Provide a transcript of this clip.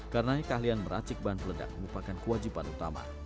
karena keahlian meracik bahan peledak merupakan kewajiban utama